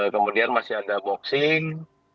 kemudian masih ada boxing